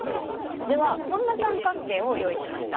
ではこんな三角形を用意しました。